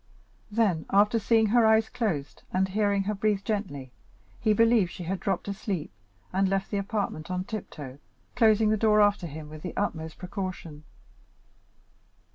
Then, after seeing her eyes closed, and hearing her breathe gently, he believed she had dropped asleep, and left the apartment on tiptoe, closing the door after him with the utmost precaution.